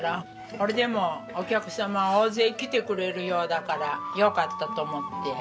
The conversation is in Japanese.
それでもお客様大勢来てくれるようだからよかったと思って。